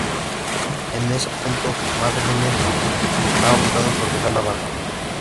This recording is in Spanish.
En este punto, MacDonnell, ha optado por dejar la banda.